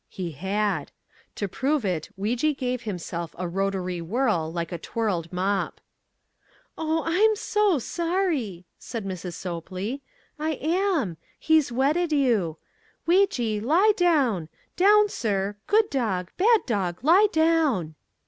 He had. To prove it, Weejee gave himself a rotary whirl like a twirled mop. "Oh, I'm SO sorry," said Mrs. Sopley. "I am. He's wetted you. Weejee, lie down, down, sir, good dog, bad dog, lie down!"